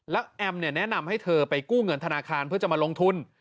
แล้วแอมแนะนำให้เธอไปกู้เงินธนาคารเพื่อจะมาลงทุน